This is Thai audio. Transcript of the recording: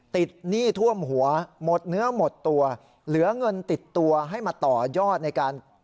หนี้ท่วมหัวหมดเนื้อหมดตัวเหลือเงินติดตัวให้มาต่อยอดในการ